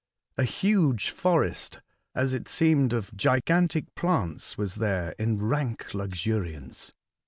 A huge forest, as it seemed, of gigantic plants was there in rank luxuriance.